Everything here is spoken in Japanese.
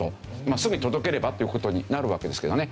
すぐに届ければっていう事になるわけですけどね。